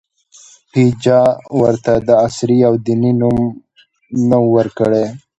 هېچا ورته د عصري او دیني نوم نه ؤ ورکړی.